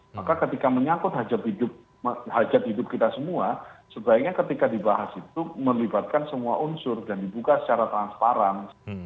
maka ketika menyangkut hajat hidup kita semua sebaiknya ketika dibahas itu melibatkan semua unsur dan dibuka secara transparan